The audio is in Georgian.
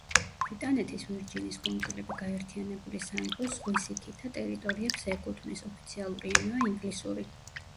ბრიტანეთის ვირჯინის კუნძულები გაერთიანებული სამეფოს ზღვისიქითა ტერიტორიებს ეკუთვნის, ოფიციალური ენაა ინგლისური.